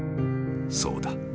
そうだ！